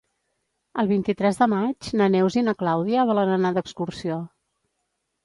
El vint-i-tres de maig na Neus i na Clàudia volen anar d'excursió.